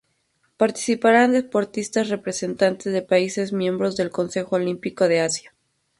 Participarán deportistas representantes de países miembros del "Consejo Olímpico de Asia".